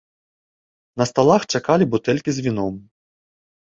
На сталах чакалі бутэлькі з віном.